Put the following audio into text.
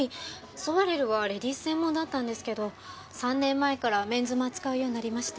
ソワレルはレディース専門だったんですけど３年前からメンズも扱うようになりまして。